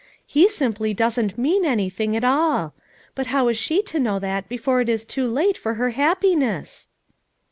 He simply doesn't mean anything at all; but how is she to know that before it is too late for her happiness